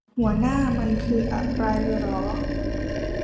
หัวหน้ามันคืออะไรหรอ